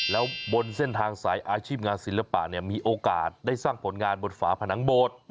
แล้วบนเส้นทางสายอาชีพงานศิลปะเนี่ยมีโอกาสได้สร้างผลงานบนฝาผนังโบสถ์